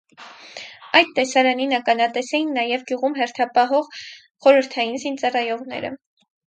Այդ տեսարանին ականատես էին նաև գյուղում հերթապահող խորհրդային զինծառայողները։